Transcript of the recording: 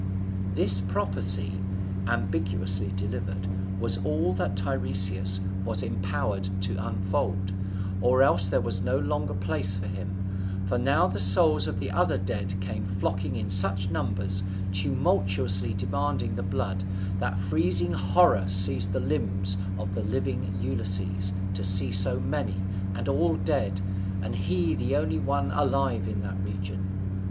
] This prophecy, ambiguously delivered, was all that Tiresias was empowered to unfold, or else there was no longer place for him; for now the souls of the other dead came flocking in such numbers, tumultuously demanding the blood, that freezing horror seized the limbs of the living Ulysses, to see so many, and all dead, and he the only one alive in that region.